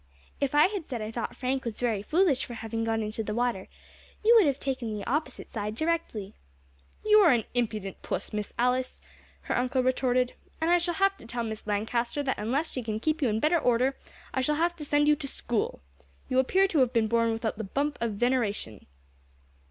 If I had said I thought Frank was very foolish for having gone into the water, you would have taken the opposite side directly." "You are an impudent puss, Miss Alice," her uncle retorted, "and I shall have to tell Miss Lancaster that unless she can keep you in better order I shall have to send you to school. You appear to have been born without the bump of veneration."